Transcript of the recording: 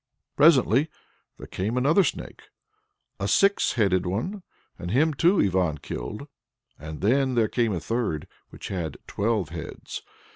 Presently there came another Snake, a six headed one, and him, too, Ivan killed. And then there came a third, which had twelve heads.